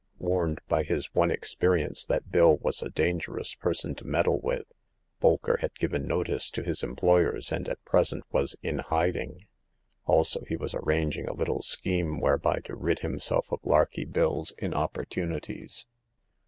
Warned by his one experience that Bill was a dangerous person to meddle with, Bolker had given notice to his em ployers, and at present was in hiding. Also, he was arranging a little scheme whereby to rid himself of Larky Bill's inopportunities.